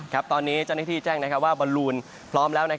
ตอนนี้เจ้าหน้าที่แจ้งว่าบอลลูนพร้อมแล้ว